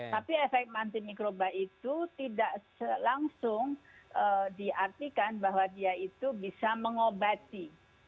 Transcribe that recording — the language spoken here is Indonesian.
tapi efek anti mikroba itu tidak langsung diartikan bahwa dia itu bisa mengobati